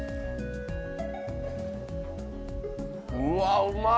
うわっうまい！